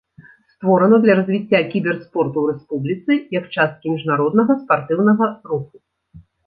Створана для развіцця кіберспорту ў рэспубліцы як часткі міжнароднага спартыўнага руху.